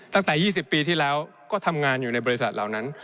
ตั้งแต่๒๐ปีที่แล้วก็ทำงานอยู่ในบริษัทเหล่านั้น